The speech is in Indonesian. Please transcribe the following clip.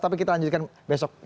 tapi kita lanjutkan besok